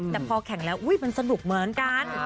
แต่พอแข่งแล้วมันสนุกเหมือนกัน